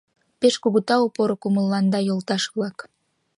Пеш кугу тау поро кумылланда, йолташ-влак.